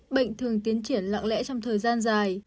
bệnh thường tiến triển lặng lẽ trong thời gian dài